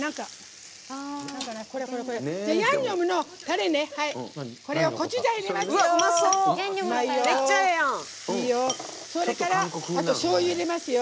ヤンニョムのタレねコチュジャン入れますよ。